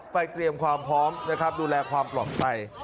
ไปเตรียมความพร้อมดูแลความปลอดใจ